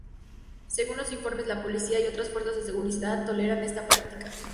Según los informes, la policía y otras fuerzas de seguridad toleran esta práctica.